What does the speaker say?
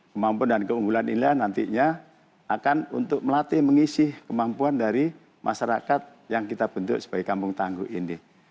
kemampuan dan keunggulan inilah nantinya akan untuk melatih mengisi kemampuan dari masyarakat yang kita bentuk sebagai kampung tangguh ini